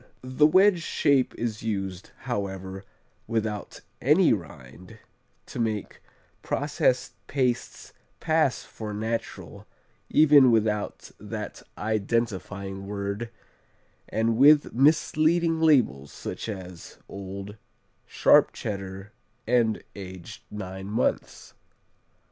The wedge shape is used, however, without any rind, to make processed pastes pass for "natural" even without that identifying word, and with misleading labels such as old, sharp Cheddar and "aged nine months."